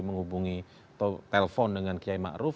menghubungi atau telpon dengan kiai ma'ruf